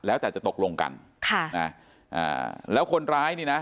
แล้วแต่จะตกลงกันค่ะนะอ่าแล้วคนร้ายนี่นะ